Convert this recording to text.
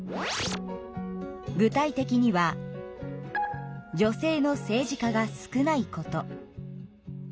具体的には女性の政治家が少ないこと。